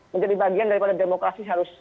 menjadi bagian dari demokrasi yang harus